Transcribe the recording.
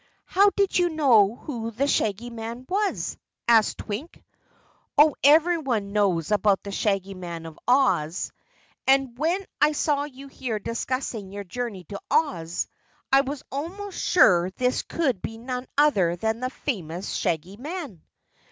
"How did you know who the Shaggy Man was?" asked Twink. "Oh, everyone knows about the Shaggy Man of Oz, and when I saw you here discussing your journey to Oz, I was almost sure this could be none other than the famous Shaggy Man."